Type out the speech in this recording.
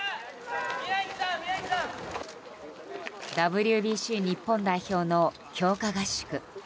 ＷＢＣ日本代表の強化合宿。